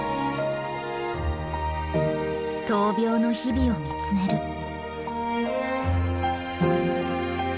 闘病の日々を見つめる。